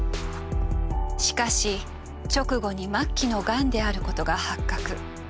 しかし直後に末期のガンであることが発覚。